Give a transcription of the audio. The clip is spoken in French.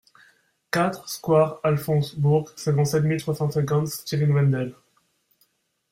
quatre square Alphonse Bourg, cinquante-sept mille trois cent cinquante Stiring-Wendel